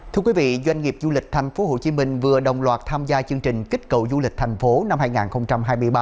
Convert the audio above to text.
thưa quý vị doanh nghiệp du lịch tp hcm vừa đồng loạt tham gia chương trình kích cầu du lịch thành phố năm hai nghìn hai mươi ba